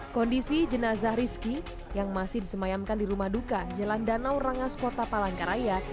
kondisi jenazah rizki yang masih disemayamkan di rumah duka jalan danau rangas kota palangkaraya